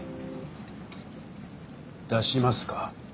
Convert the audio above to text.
出しますか。